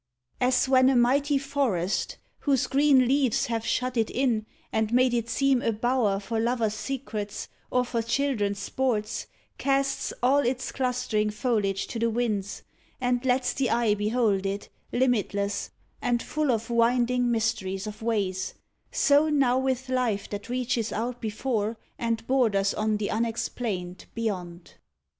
As when a mighty forest, whose green leaves Have shut it in, and made it seem a bower For lovers' secrets, or for children's sports, Casts all its clustering foliage to the winds, And lets the eye behold it, limitless, And full of winding mysteries of ways: So now with life that reaches out before, And borders on the unexplained Beyond.